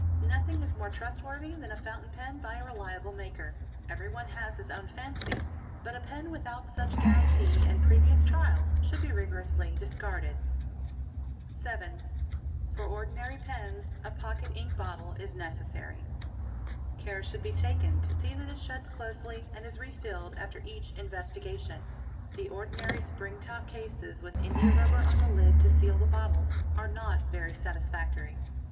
Nothing is more trust worthy than a fountain pen by a reliable maker—everyone has his own faney—but a pen without such guarantee and previous trial should be rigorously discarded. ;| 7. For ordinary pens a pocket ink bottle is necessary. Care should be taken to see that it shuts closely and is re filled after each investiga tion. The ordinary spring top cases with indiarubber on the hd te seal the bottle are not very satisfactory.